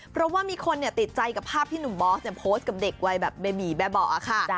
เพราะว่ามีคนติดใจกับภาพที่หนุ่มบอสโพสต์กับเด็กวัยแบบเบบีแบบเบาะค่ะ